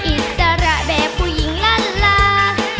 อิสระแบบผู้หญิงลั่นลา